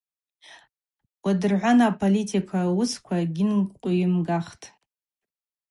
Уадыргӏвана аполитика уысква гьынкъвйымгахтӏ.